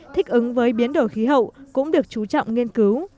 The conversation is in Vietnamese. thích ứng với biến đổi khí hậu cũng được chú trọng nghiên cứu